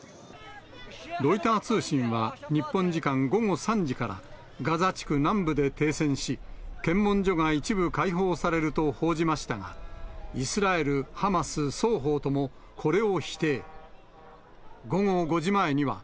ロイター通信は、日本時間午後３時から、ガザ地区南部で停戦し、検問所が一部開放されると報じましたが、イスラエル、ハマス双方していきました。